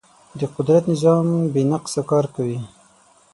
د قدرت نظام بې نقصه کار کوي.